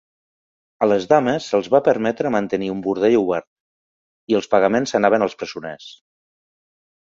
A les dames se'ls va permetre mantenir un bordell obert, i els pagaments anaven als presoners.